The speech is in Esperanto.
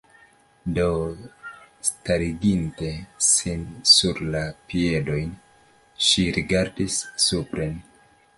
Do, stariginte sin sur la piedojn ŝi rigardis supren.